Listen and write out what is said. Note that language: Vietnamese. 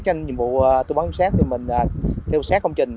trên nhiệm vụ tư bán xét thì mình theo xét công trình